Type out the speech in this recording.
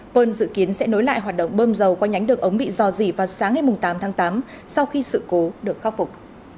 park dự kiến sẽ nối lại hoạt động bơm dầu qua nhánh đường ống bị dò dỉ vào sáng ngày tám tháng tám sau khi sự cố được khắc phục